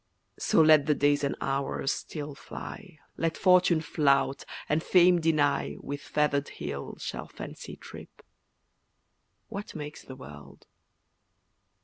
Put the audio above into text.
So let the days and hours still fly, Let Fortune flout, and Fame deny, With feathered heel shall fancy trip— What makes the world?